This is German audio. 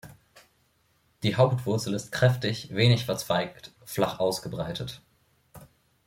Die Hauptwurzel ist kräftig, wenig verzweigt, flach ausgebreitet.